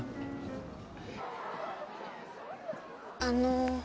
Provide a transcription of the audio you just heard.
あの。